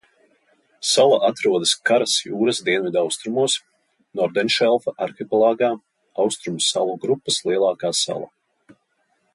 Sala atrodas Karas jūras dienvidaustrumos Nordenšelda arhipelāgā, Austrumu salu grupas lielākā sala.